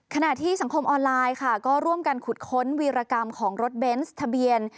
ขณะที่สังคมออนไลน์ค่ะก็ร่วมกันขุดค้นวีรกรรมของรถเบนส์ทะเบียน